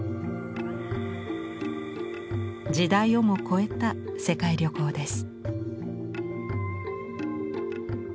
時代をも超えた世界旅行です。